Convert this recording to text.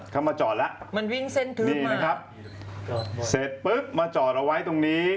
เขามาจอดแล้วมันวิ่งเส้นทึบนี่นะครับจอดเสร็จปุ๊บมาจอดเอาไว้ตรงนี้